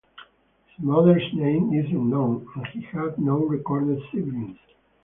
His mother's name is unknown, and he had no recorded siblings.